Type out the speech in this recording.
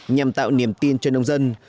nhằm tạo niềm tin cho nông dân